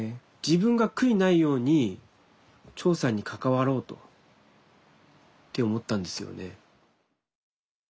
自分が悔いないように長さんに関わろうとって思ったんですよね。